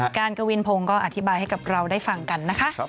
โอภาษณ์การกวินพงษ์ก็อธิบายให้กับเราได้ฟังกันนะครับ